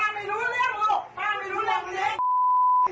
กลุ่มแข็งอย่างน้อย